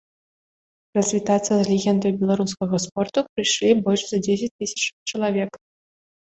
Развітацца з легендаю беларускага спорту прыйшлі больш за дзесяць тысяч чалавек.